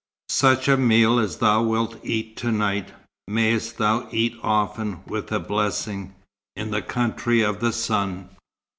Such a meal as thou wilt eat to night, mayst thou eat often with a blessing, in the country of the sun."